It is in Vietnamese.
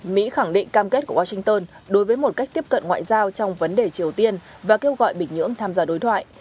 mỹ khẳng định cam kết của washington đối với một cách tiếp cận ngoại giao trong vấn đề triều tiên và kêu gọi bình nhưỡng tham gia đối thoại